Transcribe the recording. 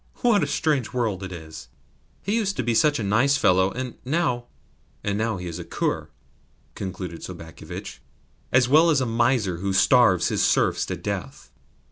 What a strange world it is! He used to be such a nice fellow, and now " "And now he is a cur," concluded Sobakevitch, "as well as a miser who starves his serfs to death."